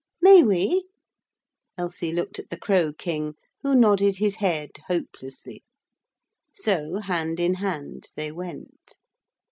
'May we?' Elsie looked at the Crow King, who nodded his head hopelessly. So, hand in hand, they went.